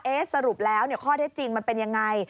เอ๊ะสรุปแล้วข้อเท็จจริงมันเป็นอย่างไร